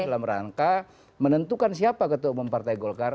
dalam rangka menentukan siapa ketua umum partai golkar